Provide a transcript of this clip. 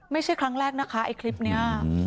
ไม่ใช่ครั้งแรกนะคะไอ้คลิปนี้